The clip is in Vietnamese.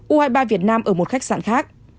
u hai mươi ba việt nam ở một khách sạn khác